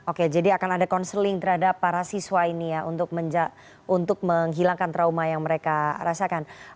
oke jadi akan ada counseling terhadap para siswa ini ya untuk menghilangkan trauma yang mereka rasakan